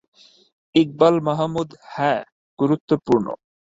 ইকবাল মাহমুদ হ্যাঁ, গুরুত্বপূর্ণ।